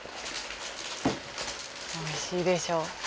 おいしいでしょ。